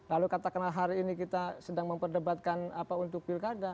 lalu katakanlah hari ini kita sedang memperdebatkan apa untuk pilkada